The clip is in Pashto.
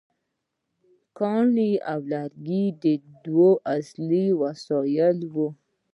کاڼي او لرګي د دوی اصلي وسایل وو.